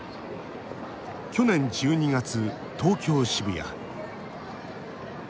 去年１２月、東京・渋谷。